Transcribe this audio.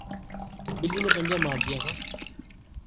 بلی نے پنجہ مار دیا تھا